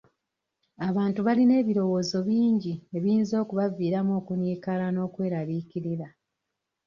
Abantu balina ebirowoozo bingi ebiyinza okubaviiramu okunyiikaala n'okweraliikirira.